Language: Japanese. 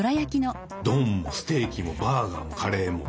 丼もステーキもバーガーもカレーも。